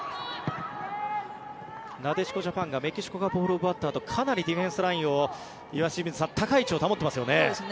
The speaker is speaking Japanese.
なでしこジャパンがメキシコがボールを奪ったあとかなりディフェンスライン高い位置を保っていますね。